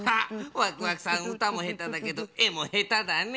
ワクワクさんうたもへただけどえもへただね。